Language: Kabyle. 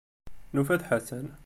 Nufa-d Ḥasan.